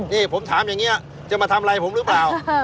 นี่ผมถามอย่างนี้จะมาทำอะไรผมหรือเปล่า